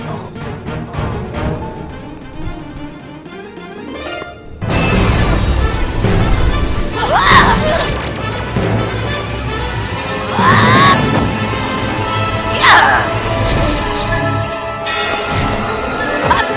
kamu benar benar ingin menantangku runtah